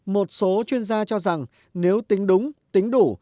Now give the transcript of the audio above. một số chuyên gia cho rằng nếu tính đúng tính đủ